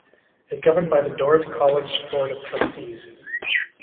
It governed by the Dordt College Board of Trustees.